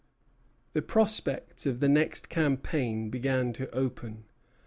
The prospects of the next campaign began to open.